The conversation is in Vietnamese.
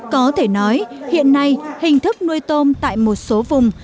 có thể nói hiện nay hình thức nuôi tôm tại một số vùng